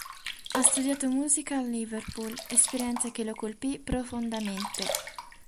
Ha studiato musica a Liverpool, esperienza che lo colpì profondamente.